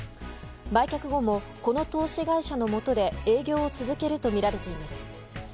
売却後もこの投資会社のもとで営業を続けるとみられています。